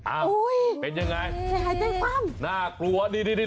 อ้าวเป็นยังไงน่ากลัวดี